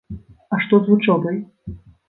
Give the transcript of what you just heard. А што з вучобай?